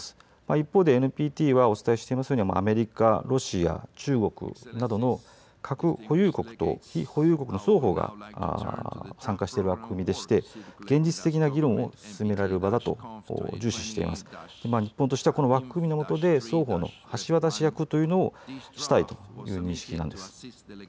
一方でＮＰＴはお伝えしていますようにアメリカ、ロシア、中国などの核保有国と非保有国の双方が参加している枠組みでして現実的な議論を進められる場だと重視し日本としては、この枠組みの中で双方の橋渡し役というのをしたいという認識なんです。